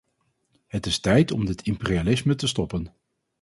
Het is tijd om dit imperialisme te stoppen.